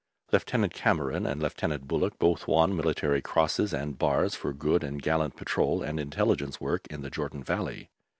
Lieutenant Cameron and Lieutenant Bullock both won Military Crosses and bars for good and gallant patrol and intelligence work in the Jordan Valley.